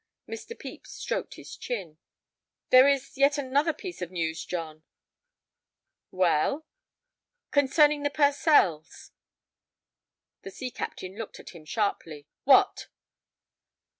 Mr. Pepys stroked his chin. "There is yet another piece of news, John." "Well?" "Concerning the Purcells." The sea captain looked at him sharply. "What?"